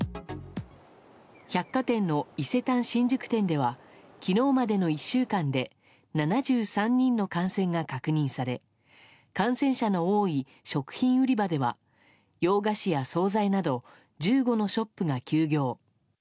百貨店の伊勢丹新宿店では昨日までの１週間で７３人の感染が確認され感染者の多い食品売り場では洋菓子や総菜など１５のショップが休業。